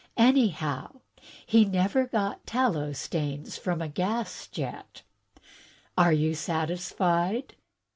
Anyh6w, he never got tallow stains from a gas jet. Are you satisfied?